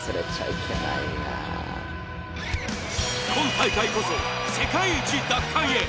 今大会こそ、世界一奪還へ。